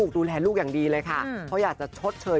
ดูแลลูกอย่างดีเลยค่ะเขาอยากจะชดเชย